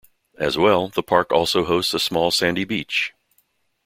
As well, the park also hosts a small sandy beach.